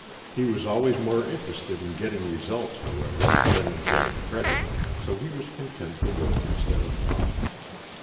He was always more interested in getting results, however, than in getting credit, so he was content to work instead of talk.